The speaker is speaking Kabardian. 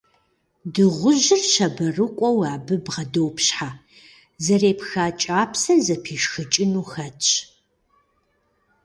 Дыгъужьыр щабэрыкӀуэу абы бгъэдопщхьэ, зэрепха кӀапсэр зэпишхыкӀыну хэтщ.